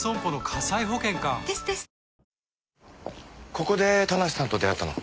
ここで田無さんと出会ったの？